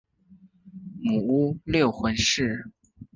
母乌六浑氏。